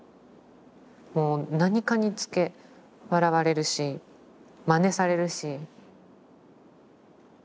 もう何かにつけ笑われるしまねされるし。